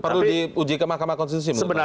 perlu diuji ke mahkamah konstitusi